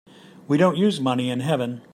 We don't use money in heaven.